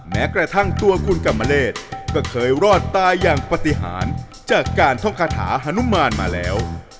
แม้กระทั่งตัวคุณกรรมเลศก็เคยรอดตายอย่างปฏิหารจากการท่องคาถาฮนุมานมาแล้ว